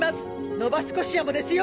ノバスコシアもですよ。